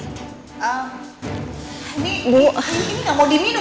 ini gak mau diminum